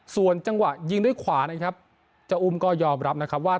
ส่วนจังหวะยิงด้วยขวานะครับเจ้าอุ้มก็ยอมรับนะครับว่า